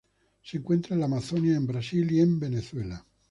Se encuentra en la Amazonia en Brasil y en Venezuela.